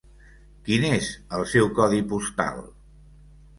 Quin és el seu codi postal?